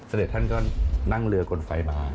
ท่านก็นั่งเรือกลไฟมา